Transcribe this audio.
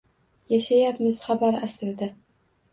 Yashayapmiz xabar asrida